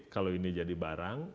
kalau ini jadi barang